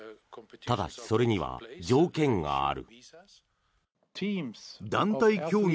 ただし、それには条件がある。